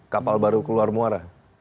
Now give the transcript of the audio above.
kapal baru keluar muara